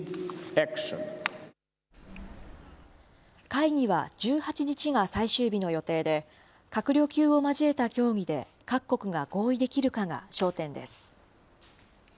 会議は１８日が最終日の予定で、閣僚級を交えた協議で各国が合意できるかが焦点です。